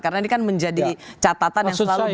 karena ini kan menjadi catatan yang selalu bisa dipungkir